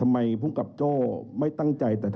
เรามีการปิดบันทึกจับกลุ่มเขาหรือหลังเกิดเหตุแล้วเนี่ย